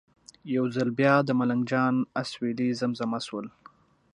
یو ځل بیا د ملنګ جان اسویلي زمزمه شول.